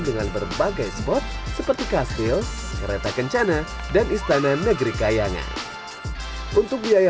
dengan berbagai spot seperti kastil kereta kencana dan istana negeri kayangan untuk biaya